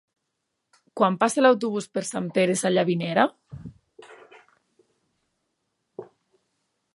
Quan passa l'autobús per Sant Pere Sallavinera?